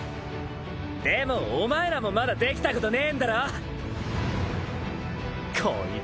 でもお前らもまだできたことねえんだろう？